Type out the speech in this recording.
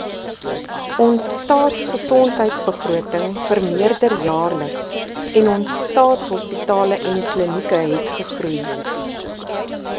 Ons staatsgesondheidsbegroting vermeerder jaarliks en ons staatshospitale en -klinieke het gegroei.